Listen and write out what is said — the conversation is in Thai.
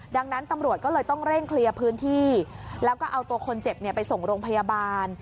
ดังนั้นตำรวจก็เลยต้องเร่งเคลียร์พื้นที่แล้วก็เอาตัวคนเจ็บไปส่งโรงพยาบาล